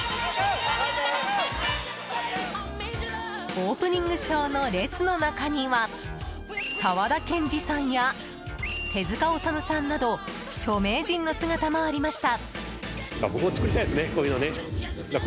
オープニングショーの列の中には沢田研二さんや手塚治虫さんなど著名人の姿もありました。